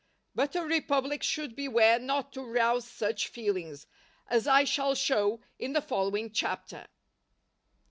But a republic should beware not to rouse such feelings, as I shall show in the following Chapter.